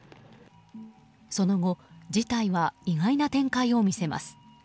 その後事態は意外な展開を見せます。